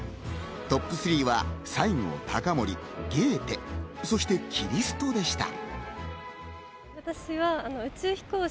トップ３は西郷隆盛、ゲーテ、そしてキリストでした。